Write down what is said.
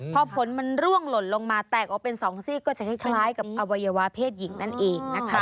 พอผลมันร่วงหล่นลงมาแตกออกเป็น๒ซีกก็จะคล้ายกับอวัยวะเพศหญิงนั่นเองนะคะ